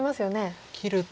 切ると。